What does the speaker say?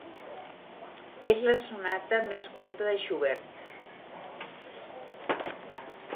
És la sonata més curta de Schubert.